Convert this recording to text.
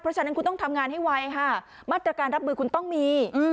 เพราะฉะนั้นคุณต้องทำงานให้ไวค่ะมาตรการรับมือคุณต้องมี